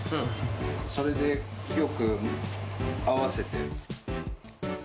それでよく合わせて。